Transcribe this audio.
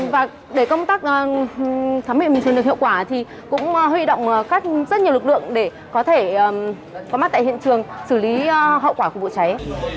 và để công tác khám nghiệm hiện trường được hiệu quả thì cũng huy động rất nhiều lực lượng để có thể có mặt tại hiện trường xử lý hậu quả của vụ cháy